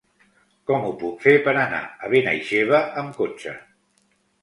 Com ho puc fer per anar a Benaixeve amb cotxe?